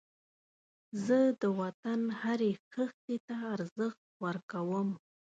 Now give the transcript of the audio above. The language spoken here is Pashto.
زه د وطن هرې خښتې ته ارزښت ورکوم